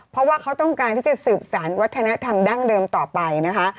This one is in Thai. เพราะว่าเขาต้องการที่จะสืบสารวัฒนธรรมดั้งเดิมต่อไปนะคะ